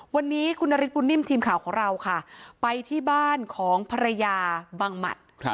วันนี้คุณนฤทธบุญนิ่มทีมข่าวของเราค่ะไปที่บ้านของภรรยาบังหมัด